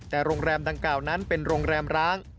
แต่โรงแรมดังกล่าวนั้นเป็นโรงแรมร้าง